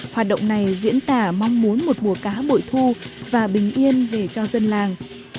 hoạt động này diễn tả mong muốn một mùa cá bội thu và bình yên về cho dân làng